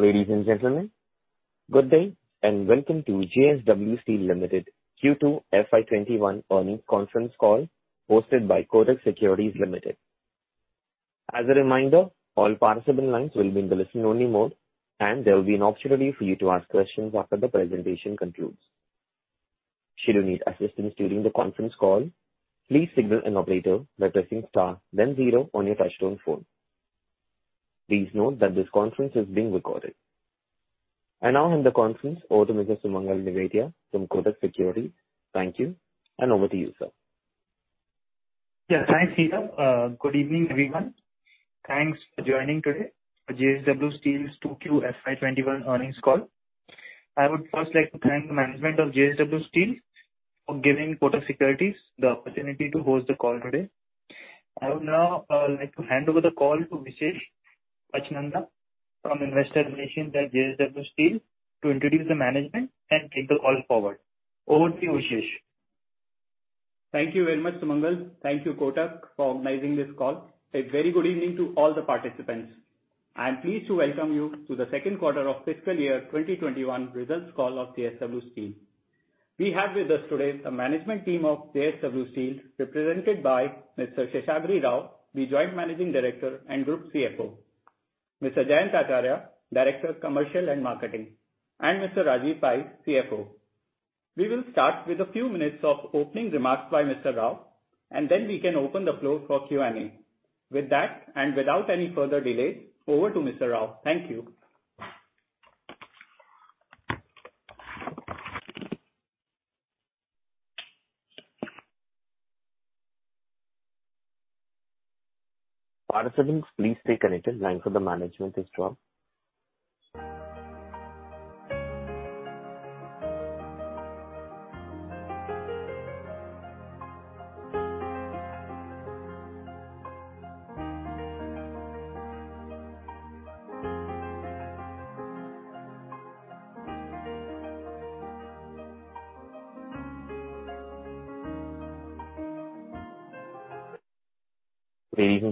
Ladies and gentlemen, good day and welcome to JSW Steel Limited Q2 FY21 Earnings Conference Call hosted by Kotak Securities Limited. As a reminder, all participant lines will be in the listen-only mode, and there will be an option for you to ask questions after the presentation concludes. Should you need assistance during the conference call, please signal an operator by pressing star, then zero on your touch-tone phone. Please note that this conference is being recorded. I now hand the conference over to Mr. Sumangal Nevatia from Kotak Securities. Thank you, and over to you, sir. Yeah, thanks, Neetha. Good evening, everyone. Thanks for joining today for JSW Steel's Q2 FY21 earnings call. I would first like to thank the management of JSW Steel for giving Kotak Securities the opportunity to host the call today. I would now like to hand over the call to Vishesh Pachnanda from Investor Relations at JSW Steel to introduce the management and take the call forward. Over to you, Vishesh. Thank you very much, Sumangal. Thank you, Kotak, for organizing this call. A very good evening to all the participants. I'm pleased to welcome you to the second quarter of fiscal year 2021 results call of JSW Steel. We have with us today the management team of JSW Steel, represented by Mr. Seshagiri Rao, the Joint Managing Director and Group CFO, Mr. Jayant Acharya, Director of Commercial and Marketing, and Mr. Rajeev Pai, CFO. We will start with a few minutes of opening remarks by Mr. Rao, and then we can open the floor for Q&A. With that, and without any further delay, over to Mr. Rao. Thank you. Participants, please stay connected. Line for the management is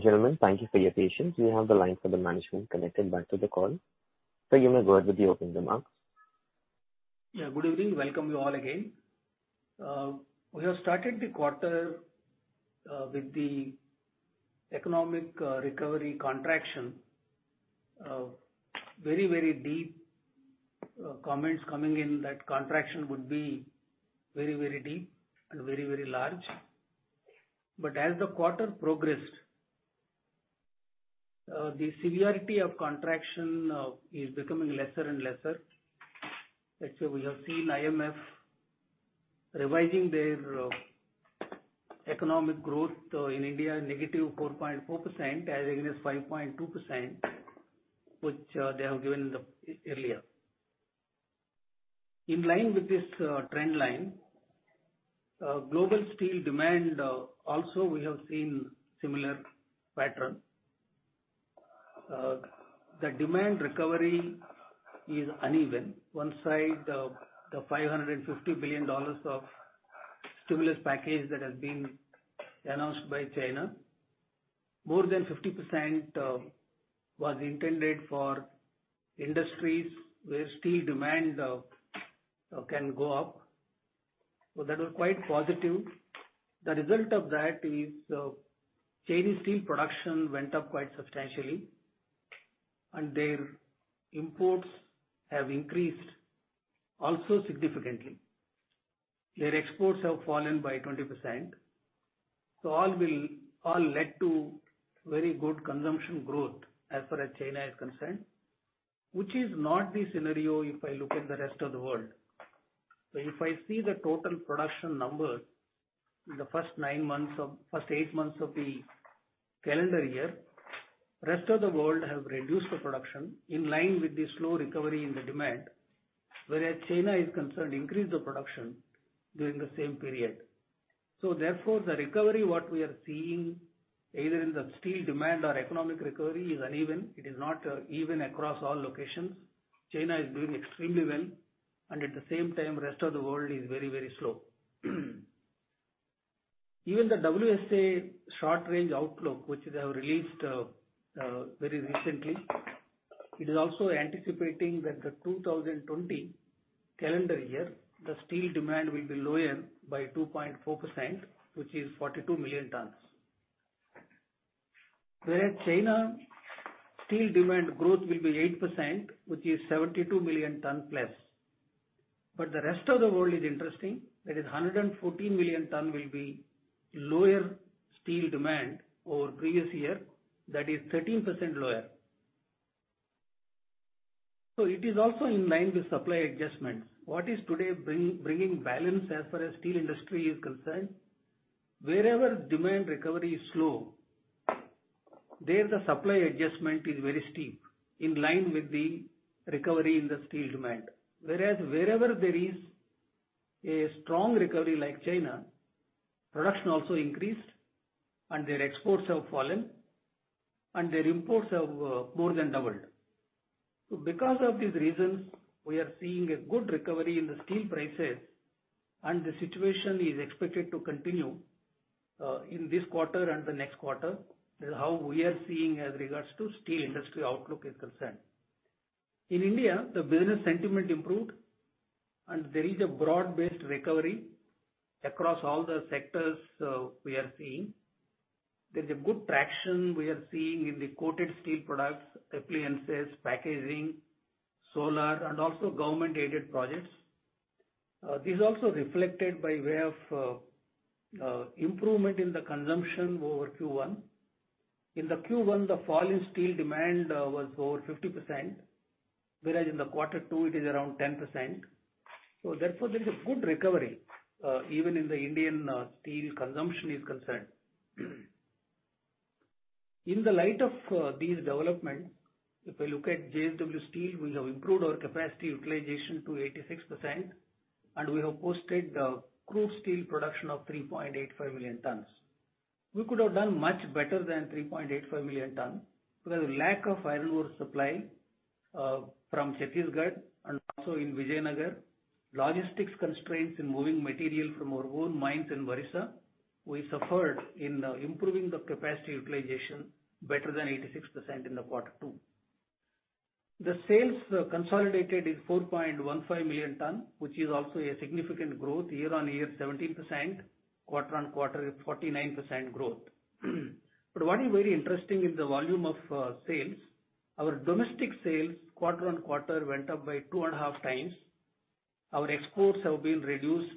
dropped. Ladies and gentlemen, thank you for your patience. We have the line for the management connected back to the call. Sir, you may go ahead with the opening remarks. Yeah, good evening. Welcome you all again. We have started the quarter with the economic recovery contraction. Very, very deep comments coming in that contraction would be very, very deep and very, very large. As the quarter progressed, the severity of contraction is becoming lesser and lesser. Let's say we have seen IMF revising their economic growth in India, negative 4.4%, as against 5.2%, which they have given earlier. In line with this trend line, global steel demand also we have seen similar pattern. The demand recovery is uneven. One side, the $550 billion of stimulus package that has been announced by China, more than 50% was intended for industries where steel demand can go up. That was quite positive. The result of that is Chinese steel production went up quite substantially, and their imports have increased also significantly. Their exports have fallen by 20%. All led to very good consumption growth as far as China is concerned, which is not the scenario if I look at the rest of the world. If I see the total production numbers in the first nine months or first eight months of the calendar year, the rest of the world has reduced the production in line with the slow recovery in the demand, whereas China is concerned, increased the production during the same period. Therefore, the recovery what we are seeing, either in the steel demand or economic recovery, is uneven. It is not even across all locations. China is doing extremely well, and at the same time, the rest of the world is very, very slow. Even the WSA short-range outlook, which they have released very recently, is also anticipating that the 2020 calendar year, the steel demand will be lower by 2.4%, which is 42 million tonnes. Whereas China's steel demand growth will be 8%, which is 72 million tonnes plus. The rest of the world is interesting. That is, 114 million tonnes will be lower steel demand over previous year. That is 13% lower. It is also in line with supply adjustments. What is today bringing balance as far as steel industry is concerned? Wherever demand recovery is slow, there the supply adjustment is very steep in line with the recovery in the steel demand. Whereas wherever there is a strong recovery like China, production also increased, and their exports have fallen, and their imports have more than doubled. Because of these reasons, we are seeing a good recovery in the steel prices, and the situation is expected to continue in this quarter and the next quarter. That is how we are seeing as regards to steel industry outlook is concerned. In India, the business sentiment improved, and there is a broad-based recovery across all the sectors we are seeing. There is a good traction we are seeing in the coated steel products, appliances, packaging, solar, and also government-aided projects. This is also reflected by way of improvement in the consumption over Q1. In Q1, the fall in steel demand was over 50%, whereas in quarter two, it is around 10%. Therefore, there is a good recovery even in the Indian steel consumption is concerned. In the light of these developments, if I look at JSW Steel, we have improved our capacity utilization to 86%, and we have posted the crude steel production of 3.85 million tonnes. We could have done much better than 3.85 million tonnes because of lack of iron ore supply from Chhattisgarh and also in Vijayanagar. Logistics constraints in moving material from our own mines in Barajamda we suffered in improving the capacity utilization better than 86% in the quarter two. The sales consolidated is 4.15 million tonnes, which is also a significant growth year-on-year, 17% quarter-on-quarter, 49% growth. What is very interesting in the volume of sales, our domestic sales quarter-on-quarter went up by two and a half times. Our exports have been reduced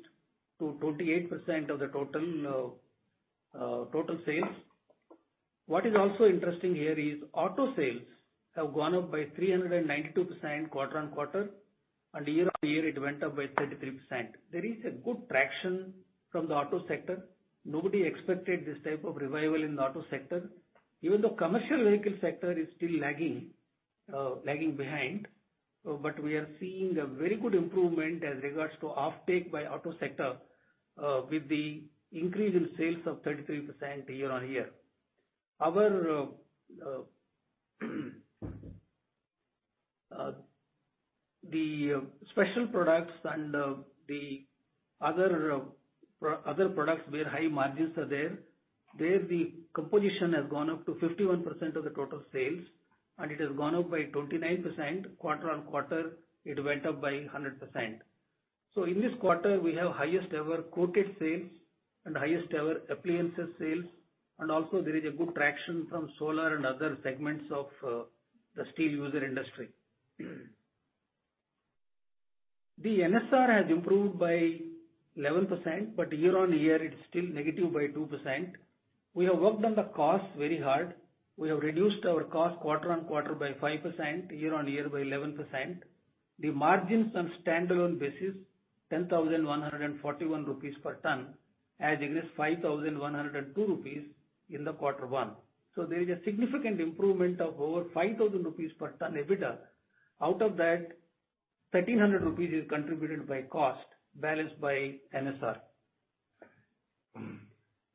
to 28% of the total sales. What is also interesting here is auto sales have gone up by 392% quarter-on-quarter, and year-on-year, it went up by 33%. There is a good traction from the auto sector. Nobody expected this type of revival in the auto sector. Even though commercial vehicle sector is still lagging behind, we are seeing a very good improvement as regards to offtake by auto sector with the increase in sales of 33% year-on-year. The special products and the other products where high margins are there, there the composition has gone up to 51% of the total sales, and it has gone up by 29% quarter-on-quarter. It went up by 100%. In this quarter, we have highest ever coated sales and highest ever appliances sales, and also there is a good traction from solar and other segments of the steel user industry. The NSR has improved by 11%, but year-on-year, it's still negative by 2%. We have worked on the cost very hard. We have reduced our cost quarter-on-quarter by 5%, year-on-year by 11%. The margins on standalone basis, 10,141 rupees per ton, as against 5,102 rupees in the Q1. There is a significant improvement of over 5,000 rupees per ton EBITDA. Out of that, 1,300 rupees is contributed by cost, balanced by NSR.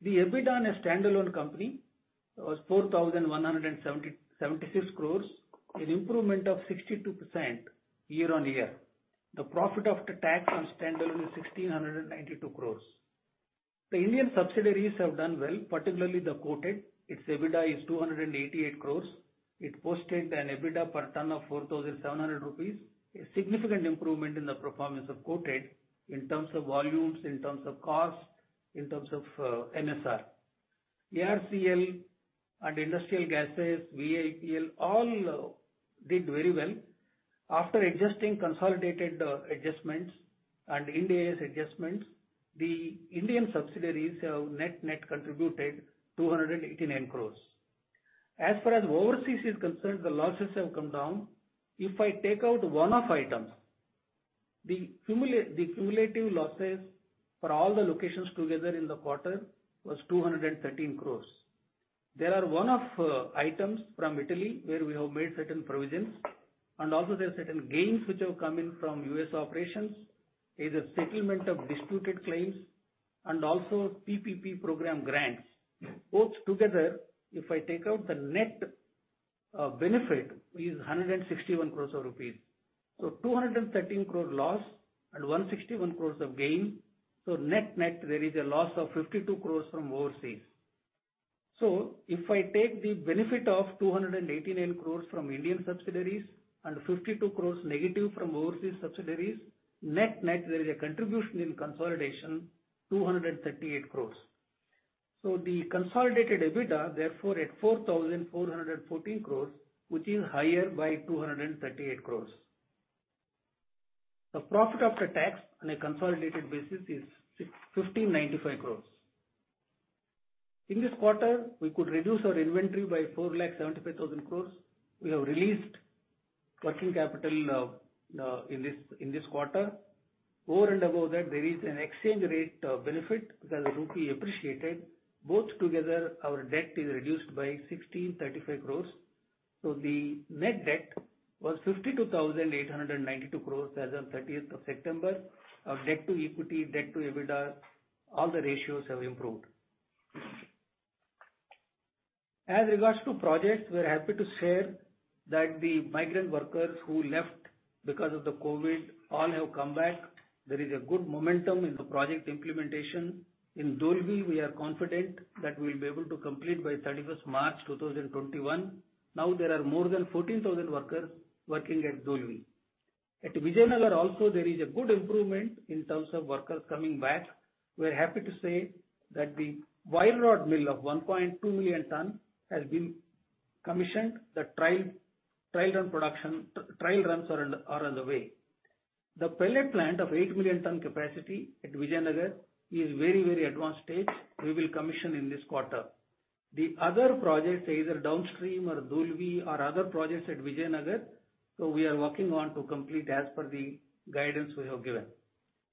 The EBITDA on a standalone company was 4,176 crore, an improvement of 62% year-on-year. The profit after tax on standalone is 1,692 crore. The Indian subsidiaries have done well, particularly the coated. Its EBITDA is 288 crore. It posted an EBITDA per ton of 4,700 rupees, a significant improvement in the performance of coated in terms of volumes, in terms of cost, in terms of NSR. ARCL and Industrial Gases, VIL, all did very well. After adjusting consolidated adjustments and India's adjustments, the Indian subsidiaries have net net contributed 289 crore. As far as overseas is concerned, the losses have come down. If I take out one-off items, the cumulative losses for all the locations together in the quarter was 213 crore. There are one-off items from Italy where we have made certain provisions, and also there are certain gains which have come in from U.S. operations, either settlement of disputed claims and also PPP program grants. Both together, if I take out the net benefit, is 161 crore rupees. 213 crore loss and 161 crore of gain. Net net, there is a loss of 52 crore from overseas. If I take the benefit of 289 crores from Indian subsidiaries and 52 crores negative from overseas subsidiaries, net net, there is a contribution in consolidation 238 crores. The consolidated EBITDA, therefore, at 4,414 crores, which is higher by 238 crores. The profit after tax on a consolidated basis is 1,595 crores. In this quarter, we could reduce our inventory by 475 crores. We have released working capital in this quarter. Over and above that, there is an exchange rate benefit because the rupee appreciated. Both together, our debt is reduced by 1,635 crores. The net debt was 52,892 crores as of 30th of September. Our debt to equity, debt to EBITDA, all the ratios have improved. As regards to projects, we are happy to share that the migrant workers who left because of the COVID all have come back. There is a good momentum in the project implementation. In Dolvi, we are confident that we will be able to complete by 31 March 2021. Now, there are more than 14,000 workers working at Dolvi. At Vijayanagar, also, there is a good improvement in terms of workers coming back. We are happy to say that the wire rod mill of 1.2 million tonnes has been commissioned. The trial runs are on the way. The pellet plant of 8 million ton capacity at Vijayanagar is very, very advanced stage. We will commission in this quarter. The other projects, either downstream or Dolvi or other projects at Vijayanagar, we are working on to complete as per the guidance we have given.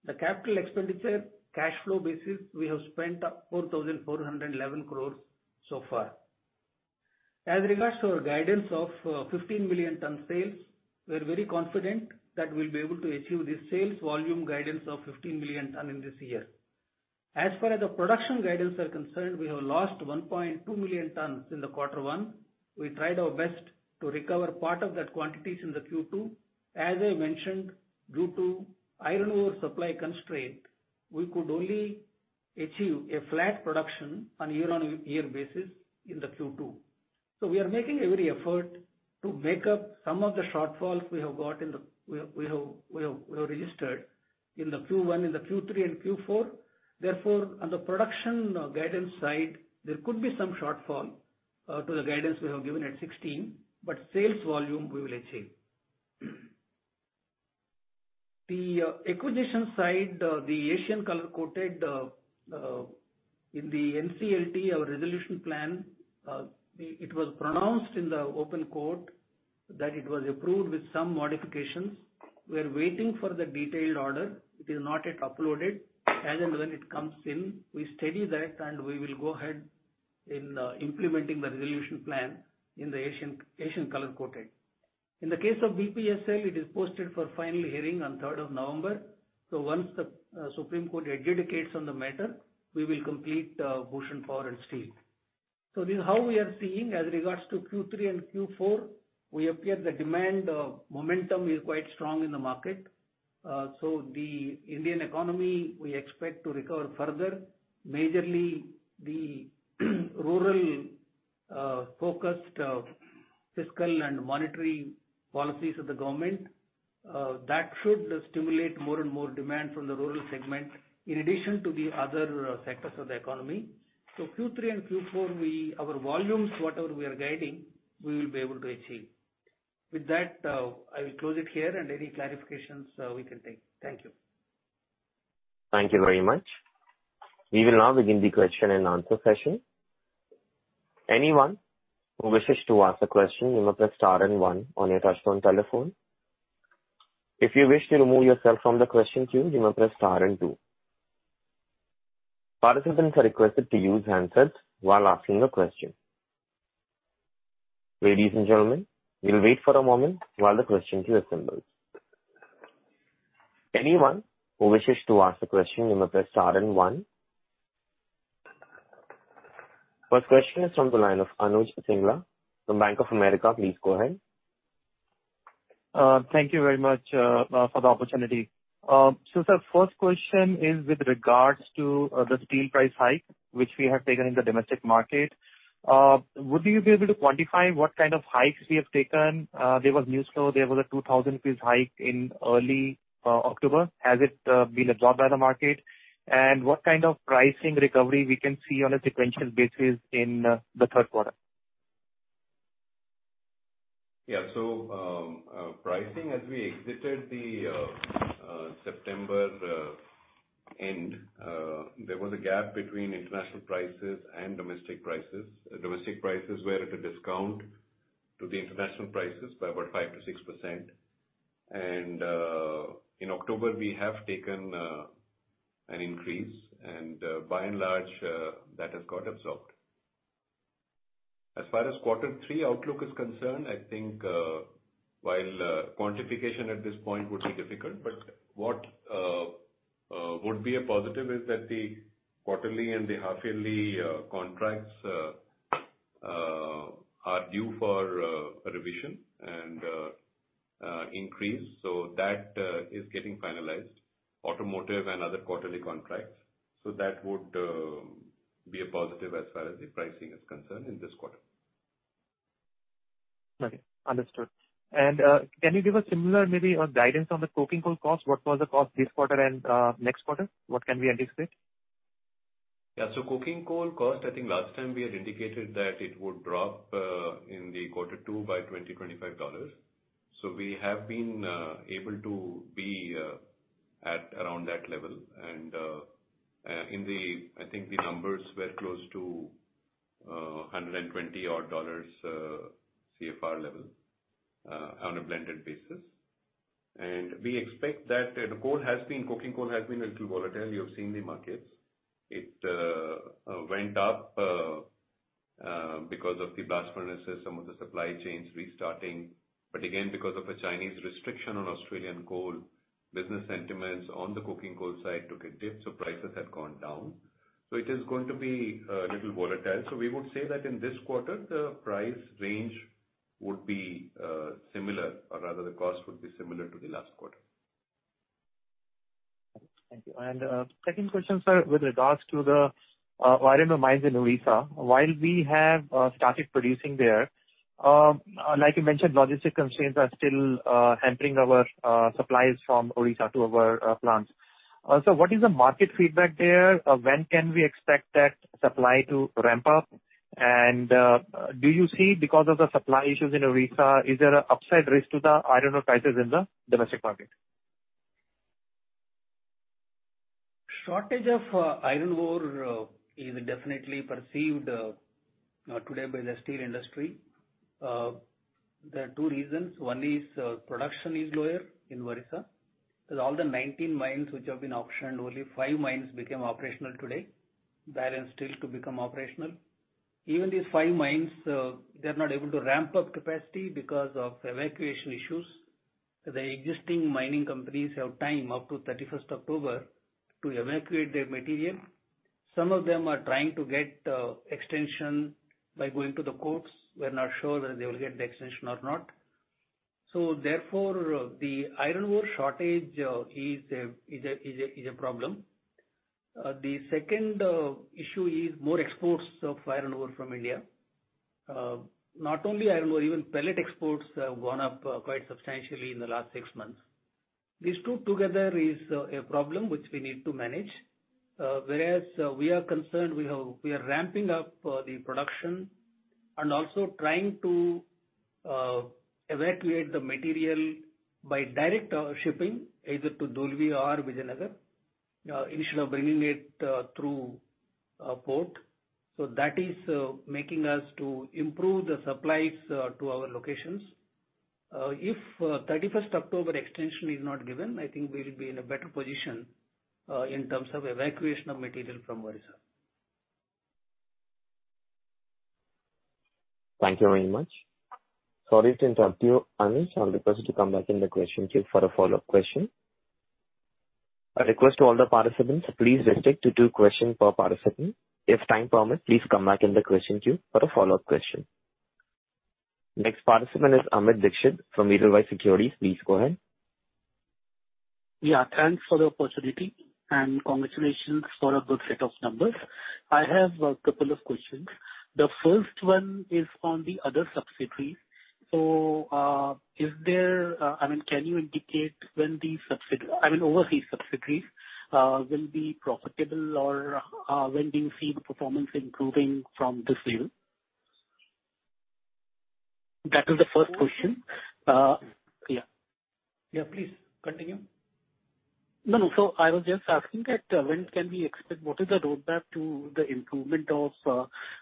The capital expenditure cash flow basis, we have spent 4,411 crores so far. As regards to our guidance of 15 million ton sales, we are very confident that we will be able to achieve this sales volume guidance of 15 million ton in this year. As far as the production guidance is concerned, we have lost 1.2 million tonnes in the Q1. We tried our best to recover part of that quantity in the Q2. As I mentioned, due to iron ore supply constraint, we could only achieve a flat production on year-on-year basis in the Q2. We are making every effort to make up some of the shortfalls we have got in the Q1, in the Q3, and Q4. Therefore, on the production guidance side, there could be some shortfall to the guidance we have given at 16, but sales volume we will achieve. The acquisition side, the Asian Colour Coated in the NCLT, our resolution plan, it was pronounced in the open court that it was approved with some modifications. We are waiting for the detailed order. It is not yet uploaded. As and when it comes in, we study that, and we will go ahead in implementing the resolution plan in the Asian Colour Coated. In the case of BPSL, it is posted for final hearing on 3rd of November. Once the Supreme Court adjudicates on the matter, we will complete Bhushan Power & Steel Limited. This is how we are seeing as regards to Q3 and Q4. We appear the demand momentum is quite strong in the market. The Indian economy, we expect to recover further. Majorly, the rural-focused fiscal and monetary policies of the government, that should stimulate more and more demand from the rural segment in addition to the other sectors of the economy. Q3 and Q4, our volumes, whatever we are guiding, we will be able to achieve. With that, I will close it here, and any clarifications we can take. Thank you. Thank you very much. We will now begin the question and answer session. Anyone who wishes to ask a question, you may press star and one on your touch phone telephone. If you wish to remove yourself from the question queue, you may press star and two. Participants are requested to use handsets while asking a question. Ladies and gentlemen, we'll wait for a moment while the question queue assembles. Anyone who wishes to ask a question, you may press star and one. First question is from the line of Anuj Singla from Bank of America. Please go ahead. Thank you very much for the opportunity. So sir, first question is with regards to the steel price hike which we have taken in the domestic market. Would you be able to quantify what kind of hikes we have taken? There was news flow. There was a 2,000 rupees hike in early October. Has it been absorbed by the market? And what kind of pricing recovery we can see on a sequential basis in the Q3? Yeah. So pricing, as we exited the September end, there was a gap between international prices and domestic prices. Domestic prices were at a discount to the international prices by about 5%-6%. In October, we have taken an increase, and by and large, that has got absorbed. As far as Q3 outlook is concerned, I think while quantification at this point would be difficult, what would be a positive is that the quarterly and the half-yearly contracts are due for revision and increase. That is getting finalized. Automotive and other quarterly contracts. That would be a positive as far as the pricing is concerned in this quarter. Okay. Understood. Can you give us similar maybe guidance on the coking coal cost? What was the cost this quarter and next quarter? What can we anticipate? Yeah. Coking coal cost, I think last time we had indicated that it would drop in quarter two by $20-25. We have been able to be at around that level. I think the numbers were close to $120 CFR level on a blended basis. We expect that the coal, coking coal, has been a little volatile. You have seen the markets. It went up because of the blast furnaces, some of the supply chains restarting. Again, because of the Chinese restriction on Australian coal, business sentiments on the coking coal side took a dip. Prices have gone down. It is going to be a little volatile. We would say that in this quarter, the price range would be similar, or rather the cost would be similar to the last quarter. Thank you. Second question, sir, with regards to the iron ore mines in Odisha, while we have started producing there, like you mentioned, logistic constraints are still hampering our supplies from Odisha to our plants. What is the market feedback there? When can we expect that supply to ramp up? Do you see, because of the supply issues in Odisha, is there an upside risk to the iron ore prices in the domestic market? Shortage of iron ore is definitely perceived today by the steel industry. There are two reasons. One is production is lower in Odisha. All the 19 mines which have been auctioned, only five mines became operational today. They are still to become operational. Even these five mines, they are not able to ramp up capacity because of evacuation issues. The existing mining companies have time up to 31st of October to evacuate their material. Some of them are trying to get extension by going to the courts. We are not sure whether they will get the extension or not. Therefore, the iron ore shortage is a problem. The second issue is more exports of iron ore from India. Not only iron ore, even pellet exports have gone up quite substantially in the last six months. These two together is a problem which we need to manage. Whereas we are concerned, we are ramping up the production and also trying to evacuate the material by direct shipping, either to Dolvi or Vijayanagar, instead of bringing it through port. That is making us improve the supplies to our locations. If 31st October extension is not given, I think we will be in a better position in terms of evacuation of material from Odisha. Thank you very much. Sorry to interrupt you, Anuj. I'll request you to come back in the question queue for a follow-up question. I request all the participants please restrict to two questions per participant. If time permits, please come back in the question queue for a follow-up question. Next participant is Amit Dixit from Edelweiss Securities. Please go ahead. Yeah. Thanks for the opportunity and congratulations for a good set of numbers. I have a couple of questions. The first one is on the other subsidiaries. Is there, I mean, can you indicate when the subsidiaries, I mean, overseas subsidiaries will be profitable, or when do you see the performance improving from this year? That is the first question. Yeah. Yeah. Please continue. No, no. I was just asking that when can we expect, what is the roadmap to the improvement of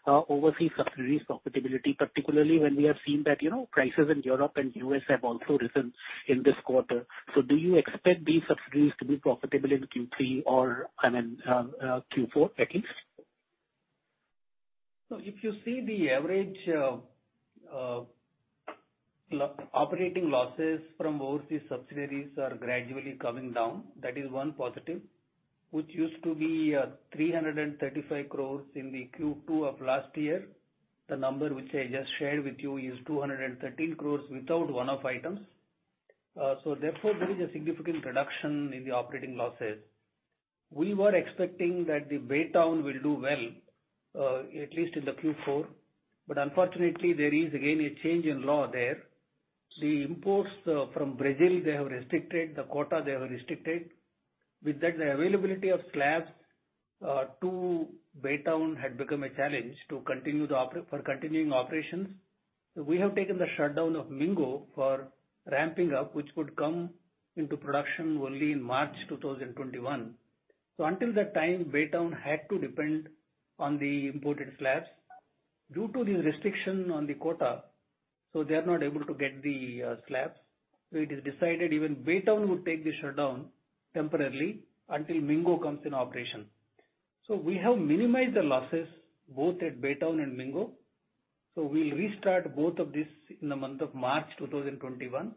overseas subsidiaries' profitability, particularly when we have seen that prices in Europe and U.S. have also risen in this quarter? Do you expect these subsidiaries to be profitable in Q3 or, I mean, Q4 at least? If you see, the average operating losses from overseas subsidiaries are gradually coming down, that is one positive. Which used to be 335 crore in the Q2 of last year. The number which I just shared with you is 213 crore without one-off items. Therefore, there is a significant reduction in the operating losses. We were expecting that Baytown will do well, at least in the Q4. Unfortunately, there is again a change in law there. The imports from Brazil, they have restricted the quota they have restricted. With that, the availability of slabs to Baytown had become a challenge for continuing operations. We have taken the shutdown of Mingo for ramping up, which would come into production only in March 2021. Until that time, Baytown had to depend on the imported slabs. Due to the restriction on the quota, they are not able to get the slabs. It is decided even Baytown would take the shutdown temporarily until Mingo comes in operation. We have minimized the losses both at Baytown and Mingo. We will restart both of these in the month of March 2021.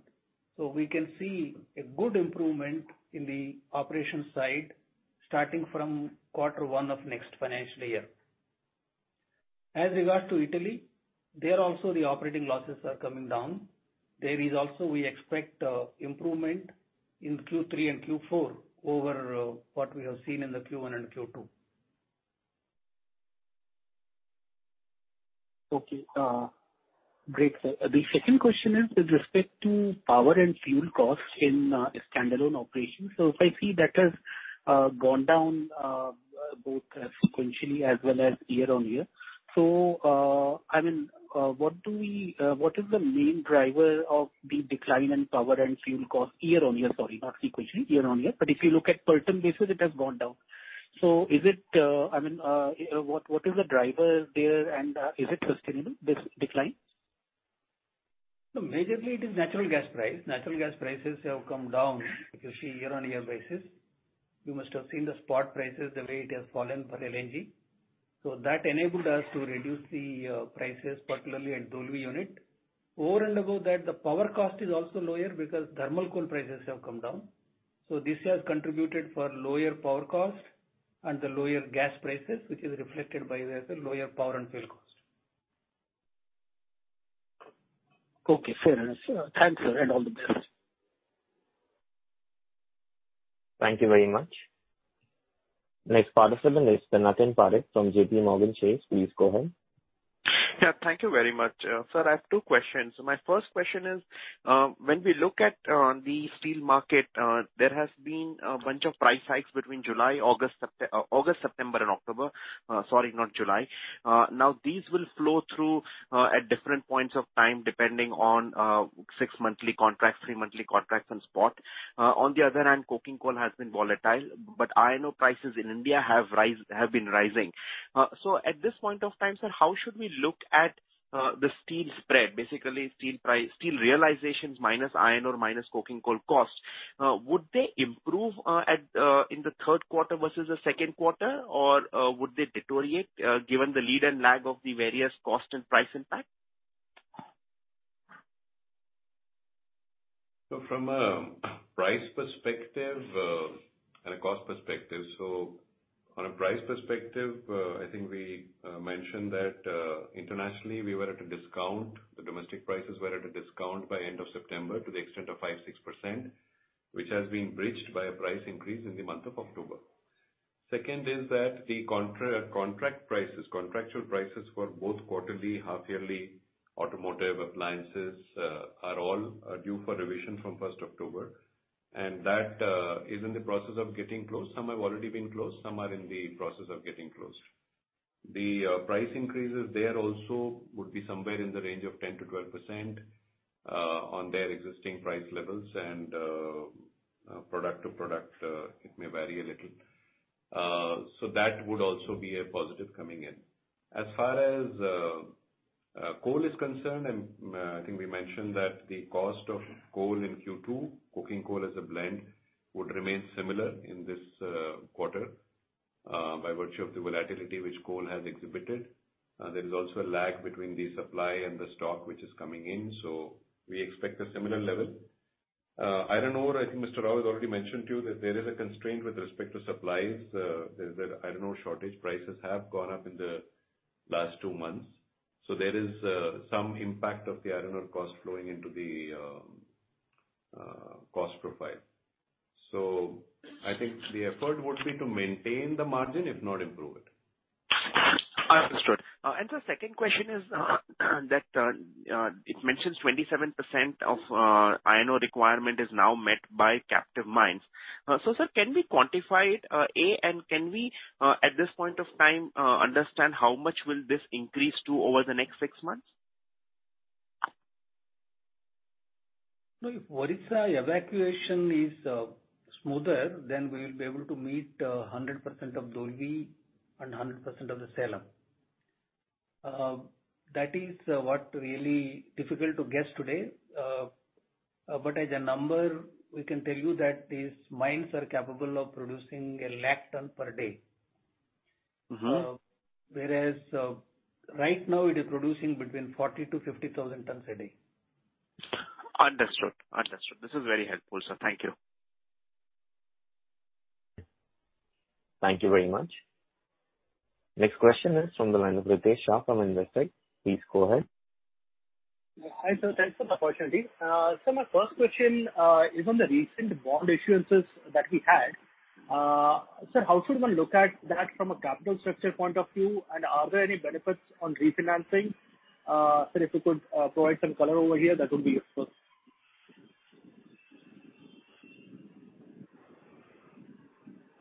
We can see a good improvement in the operation side starting from quarter one of next financial year. As regards to Italy, there also the operating losses are coming down. There also we expect improvement in Q3 and Q4 over what we have seen in Q1 and Q2. Okay. Great. The second question is with respect to power and fuel costs in standalone operations. If I see that has gone down both sequentially as well as year-on-year. I mean, what is the main driver of the decline in power and fuel costs year-on-year? Sorry, not sequentially, year-on-year. If you look at per ton basis, it has gone down. Is it, I mean, what is the driver there and is it sustainable, this decline? Majorly, it is natural gas price. Natural gas prices have come down. You can see year-on-year basis. You must have seen the spot prices, the way it has fallen for LNG. That enabled us to reduce the prices, particularly at Dolvi unit. Over and above that, the power cost is also lower because thermal coal prices have come down. This has contributed for lower power cost and the lower gas prices, which is reflected by the lower power and fuel cost. Okay. Fair enough. Thanks, sir, and all the best. Thank you very much. Next participant is Pinakin Parekh from J.P. Morgan. Please go ahead. Yeah. Thank you very much. Sir, I have two questions. My first question is, when we look at the steel market, there has been a bunch of price hikes between July, August, September, and October. Sorry, not July. Now, these will flow through at different points of time depending on six-monthly contracts, three-monthly contracts, and spot. On the other hand, coking coal has been volatile, but iron ore prices in India have been rising. At this point of time, sir, how should we look at the steel spread? Basically, steel realizations minus iron ore minus coking coal cost. Would they improve in the third quarter versus the second quarter, or would they deteriorate given the lead and lag of the various cost and price impact? From a price perspective and a cost perspective, on a price perspective, I think we mentioned that internationally, we were at a discount. The domestic prices were at a discount by end of September to the extent of 5-6%, which has been bridged by a price increase in the month of October. Second is that the contract prices, contractual prices for both quarterly, half-yearly, automotive appliances are all due for revision from 1 October. That is in the process of getting closed. Some have already been closed. Some are in the process of getting closed. The price increases there also would be somewhere in the range of 10-12% on their existing price levels. Product to product, it may vary a little. That would also be a positive coming in. As far as coal is concerned, I think we mentioned that the cost of coal in Q2, coking coal as a blend, would remain similar in this quarter by virtue of the volatility which coal has exhibited. There is also a lag between the supply and the stock which is coming in. We expect a similar level. Iron ore, I think Mr. Rao has already mentioned to you that there is a constraint with respect to supplies. There is an iron ore shortage. Prices have gone up in the last two months. There is some impact of the iron ore cost flowing into the cost profile. I think the effort would be to maintain the margin, if not improve it. Understood. The second question is that it mentions 27% of iron ore requirement is now met by captive mines. Sir, can we quantify it? And can we at this point of time understand how much will this increase to over the next six months? No, if Odisha evacuation is smoother, then we will be able to meet 100% of Dolvi and 100% of the Salem. That is what really difficult to guess today. But as a number, we can tell you that these mines are capable of producing 100,000 ton per day. Whereas right now, it is producing between 40,000-50,000 tonnes a day. Understood. Understood. This is very helpful, sir. Thank you. Thank you very much. Next question is from the line of Ritesh Shah from Investec. Please go ahead. Hi, sir. Thanks for the opportunity. Sir, my first question is on the recent bond issuances that we had. Sir, how should one look at that from a capital structure point of view? Are there any benefits on refinancing? Sir, if you could provide some color over here, that would be useful.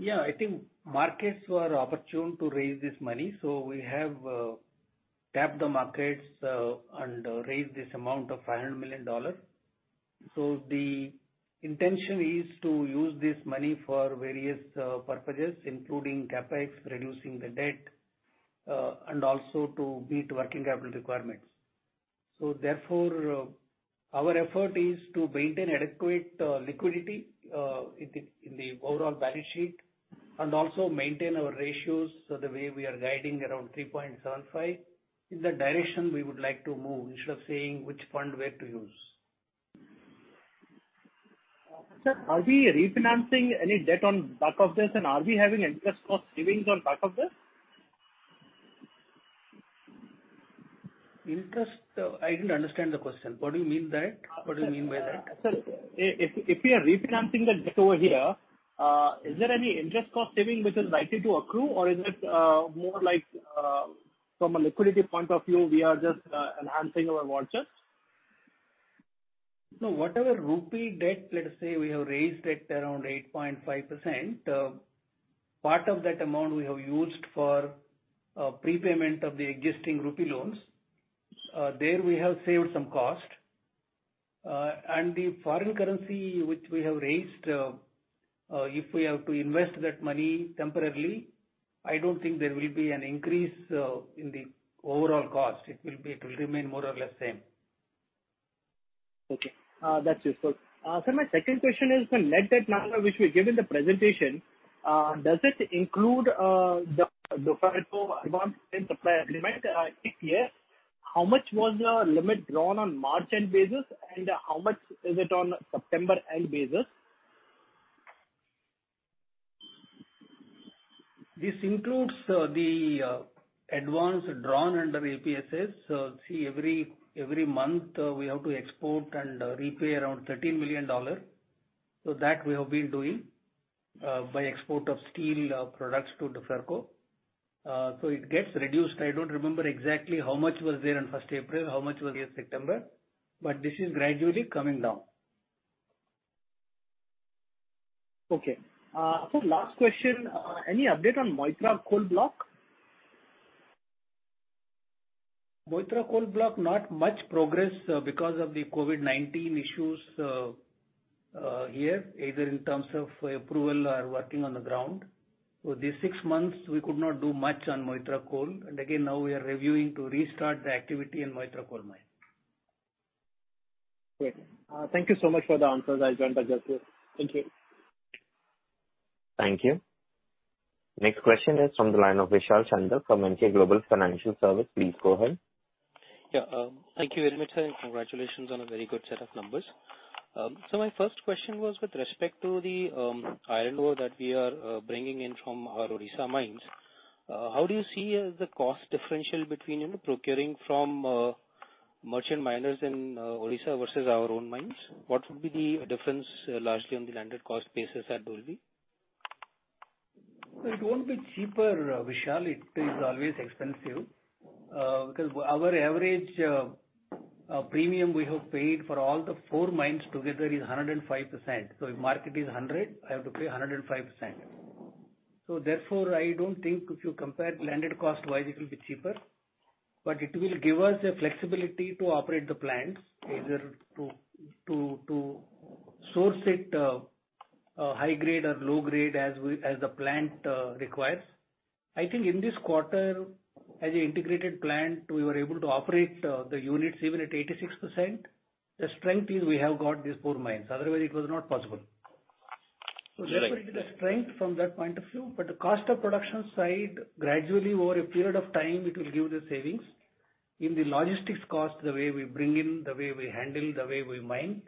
Yeah. I think markets were opportune to raise this money. We have tapped the markets and raised this amount of $500 million. The intention is to use this money for various purposes, including capex, reducing the debt, and also to meet working capital requirements. Therefore, our effort is to maintain adequate liquidity in the overall balance sheet and also maintain our ratios. The way we are guiding, around 3.75 is the direction we would like to move instead of saying which fund where to use. Sir, are we refinancing any debt on back of this? Are we having interest cost savings on back of this? Interest? I did not understand the question. What do you mean by that? What do you mean by that? Sir, if we are refinancing the debt over here, is there any interest cost saving which is likely to accrue, or is it more like from a liquidity point of view, we are just enhancing our vouchers? Whatever rupee debt, let us say we have raised it around 8.5%, part of that amount we have used for prepayment of the existing rupee loans. There we have saved some cost. The foreign currency which we have raised, if we have to invest that money temporarily, I do not think there will be an increase in the overall cost. It will remain more or less the same. Okay. That is useful. Sir, my second question is the net debt number which we give in the presentation. Does it include the deferred supply agreement? If yes, how much was the limit drawn on March end basis, and how much is it on September end basis? This includes the advance drawn under APSA. See, every month we have to export and repay around $13 million. That we have been doing by export of steel products to the Duferco. It gets reduced. I don't remember exactly how much was there on 1 April, how much was there in September. This is gradually coming down. Okay. Last question, any update on Moitra Coal Block? Moitra Coal Block, not much progress because of the COVID-19 issues here, either in terms of approval or working on the ground. These six months, we could not do much on Moitra Coal. Again, now we are reviewing to restart the activity in Moitra Coal Mine. Great. Thank you so much for the answers. I joined, but just you. Thank you. Thank you. Next question is from the line of Vishal Chandak from Emkay Global Financial Services. Please go ahead. Yeah. Thank you very much, sir. And congratulations on a very good set of numbers. My first question was with respect to the iron ore that we are bringing in from our Odisha mines. How do you see the cost differential between procuring from merchant miners in Odisha versus our own mines? What would be the difference largely on the landed cost basis at Dolvi? It won't be cheaper, Vishal. It is always expensive. Because our average premium we have paid for all the four mines together is 105%. If market is 100, I have to pay 105%. Therefore, I don't think if you compare landed cost-wise, it will be cheaper. It will give us the flexibility to operate the plants, either to source it high-grade or low-grade as the plant requires. I think in this quarter, as an integrated plant, we were able to operate the units even at 86%. The strength is we have got these four mines. Otherwise, it was not possible. Therefore, it is a strength from that point of view. On the cost of production side, gradually over a period of time, it will give the savings in the logistics cost, the way we bring in, the way we handle, the way we mine.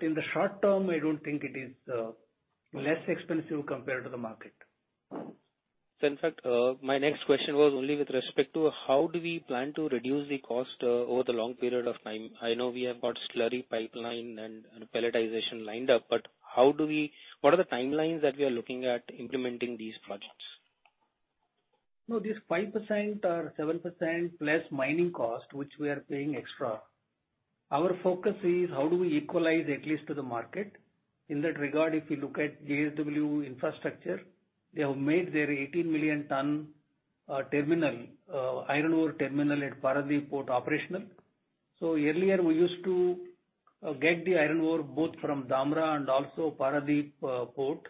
In the short term, I do not think it is less expensive compared to the market. Sir, in fact, my next question was only with respect to how do we plan to reduce the cost over the long period of time? I know we have got slurry pipeline and pelletization lined up, but what are the timelines that we are looking at implementing these projects? No, this 5% or 7% less mining cost, which we are paying extra. Our focus is how do we equalize at least to the market. In that regard, if you look at JSW Infrastructure, they have made their 18 million ton iron ore terminal at Paradip Port operational. Earlier, we used to get the iron ore both from Dhamra and also Paradip Port.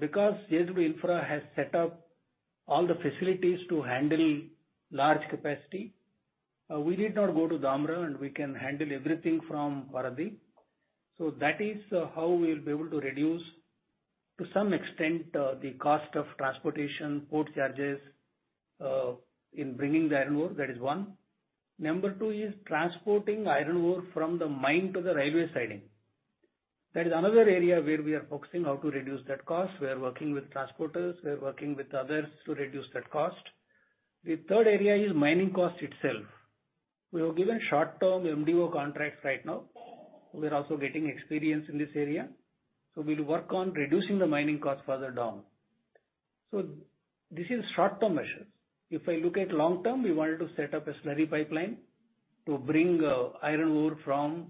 Because JSW Infrastructure has set up all the facilities to handle large capacity, we did not go to Dhamra, and we can handle everything from Paradip. That is how we will be able to reduce to some extent the cost of transportation, port charges in bringing the iron ore. That is one. Number two is transporting iron ore from the mine to the railway siding. That is another area where we are focusing how to reduce that cost. We are working with transporters. We are working with others to reduce that cost. The third area is mining cost itself. We are given short-term MDO contracts right now. We are also getting experience in this area. We will work on reducing the mining cost further down. This is short-term measures. If I look at long-term, we wanted to set up a slurry pipeline to bring iron ore from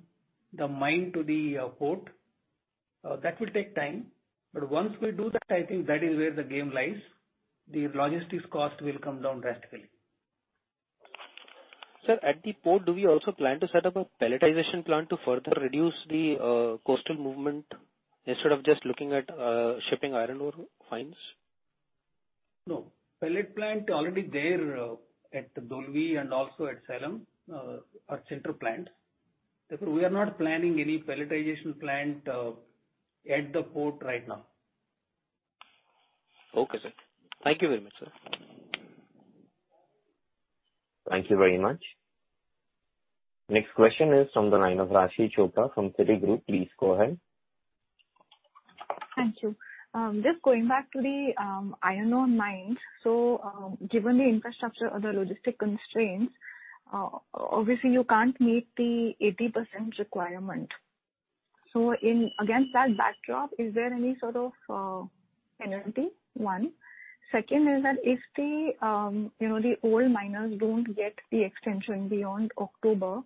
the mine to the port. That will take time. Once we do that, I think that is where the game lies. The logistics cost will come down drastically. Sir, at the port, do we also plan to set up a pelletization plant to further reduce the coastal movement instead of just looking at shipping iron ore fines? No. Pellet plant already there at Dolvi and also at Salem are central plants. Therefore, we are not planning any pelletization plant at the port right now. Okay, sir. Thank you very much, sir. Thank you very much. Next question is from the line of Raashi Chopra from Citigroup. Please go ahead. Thank you. Just going back to the iron ore mines, given the infrastructure or the logistic constraints, obviously, you can't meet the 80% requirement. Against that backdrop, is there any sort of penalty? One. Second is that if the old miners don't get the extension beyond October,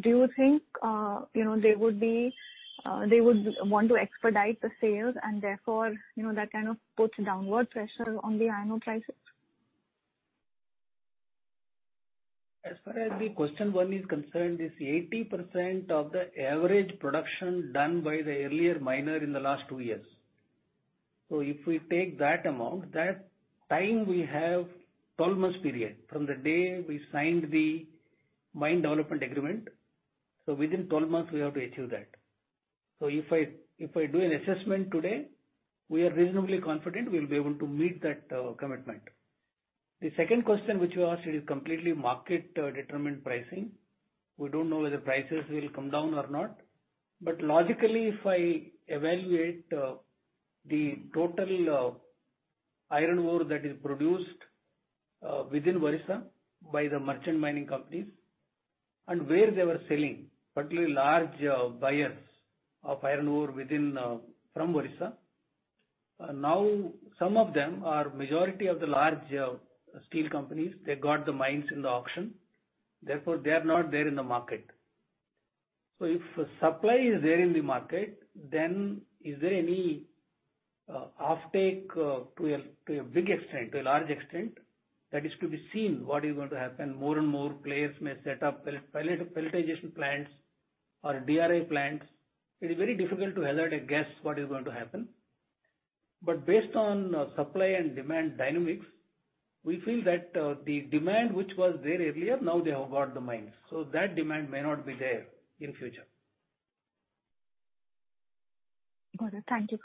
do you think they would want to expedite the sales and therefore that kind of puts downward pressure on the iron ore prices? As far as the question one is concerned, it's 80% of the average production done by the earlier miner in the last two years. If we take that amount, that time we have 12 months period from the day we signed the mine development agreement. Within 12 months, we have to achieve that. If I do an assessment today, we are reasonably confident we will be able to meet that commitment. The second question which you asked is completely market-determined pricing. We don't know whether prices will come down or not. Logically, if I evaluate the total iron ore that is produced within Odisha by the merchant mining companies and where they were selling, particularly large buyers of iron ore from Odisha, now some of them are majority of the large steel companies. They got the mines in the auction. Therefore, they are not there in the market. If supply is there in the market, then is there any offtake to a big extent, to a large extent? That is to be seen what is going to happen. More and more players may set up pelletization plants or DRI plants. It is very difficult to hazard a guess what is going to happen. Based on supply and demand dynamics, we feel that the demand which was there earlier, now they have got the mines. That demand may not be there in the future. Got it. Thank you.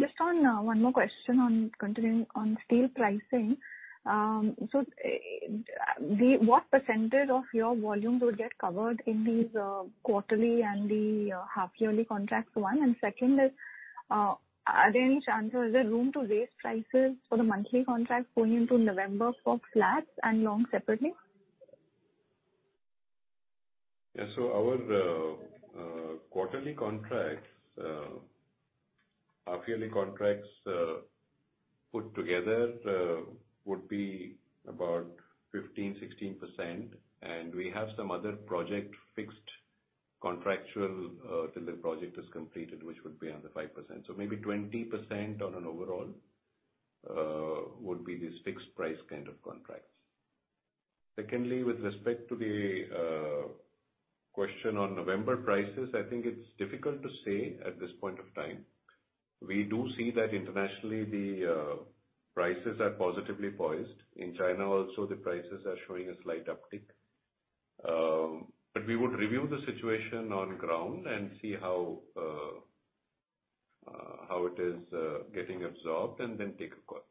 Just one more question on continuing on steel pricing. What percentage of your volumes would get covered in these quarterly and the half-yearly contracts? One. Second is, is there room to raise prices for the monthly contracts going into November for flats and long separately? Yeah. Our quarterly contracts, half-yearly contracts put together would be about 15-16%. We have some other project fixed contractual till the project is completed, which would be under 5%. Maybe 20% overall would be these fixed price kind of contracts. Secondly, with respect to the question on November prices, I think it is difficult to say at this point of time. We do see that internationally, the prices are positively poised. In China also, the prices are showing a slight uptick. But we would review the situation on ground and see how it is getting absorbed and then take a call.